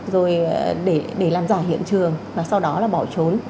rồi để làm giả hiện trường và sau đó là bỏ trốn